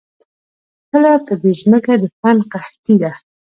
کله په دې زمکه د فن قحطي ده